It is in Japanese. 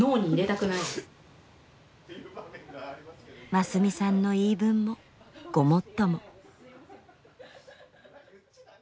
真寿美さんの言い分もごもっとも。